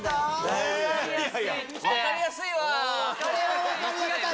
分かりやすいって。